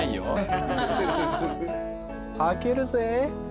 開けるぜ。